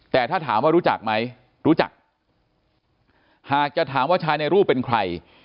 แต่ถ้าถามว่ารู้จักไหมรู้จักหากจะถามว่าชายในรูปเป็นใคร